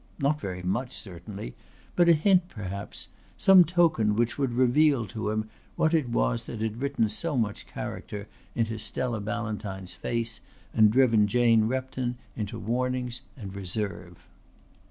Not very much certainly, but a hint perhaps, some token which would reveal to him what it was that had written so much character into Stella Ballantyne's face and driven Jane Repton into warnings and reserve.